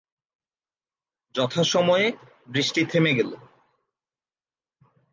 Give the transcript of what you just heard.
যথাসময়ে বৃষ্টি থেমে গেল।